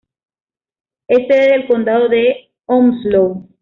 Es sede del condado de Onslow.